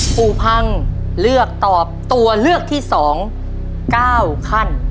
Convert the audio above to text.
ปู่พังเลือกตอบตัวเลือกที่๒๙ขั้น